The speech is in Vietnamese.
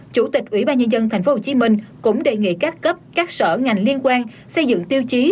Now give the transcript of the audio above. chủ tịch ubnd tp hcm cũng đề nghị các cấp các sở ngành liên quan xây dựng tiêu chí